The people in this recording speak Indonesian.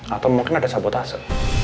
atau mungkin ada sabotase